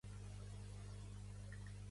Em dic Richard Schubert.